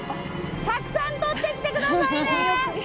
たくさんとってきて下さいね。